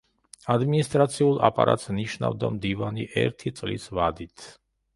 ადმინისტრაციულ აპარატს ნიშნავდა მდივანი ერთი წლის ვადით.